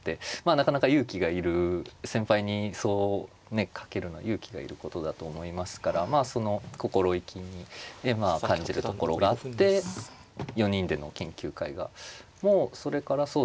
なかなか勇気が要る先輩にそう掛けるのは勇気が要ることだと思いますからその心意気に感じるところがあって４人での研究会がもうそれからそうですね